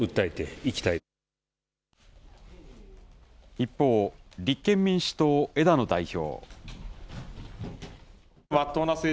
一方、立憲民主党、枝野代表。